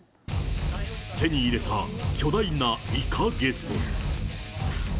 手に入れた巨大なイカゲソ。